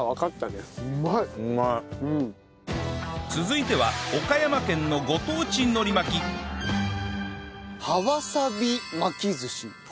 続いては岡山県のご当地海苔巻き葉わさび巻き寿司。